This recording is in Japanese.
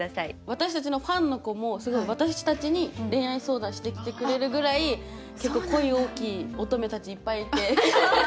私たちのファンの子もすごい私たちに恋愛相談してきてくれるぐらい恋多き乙女たちいっぱいいて。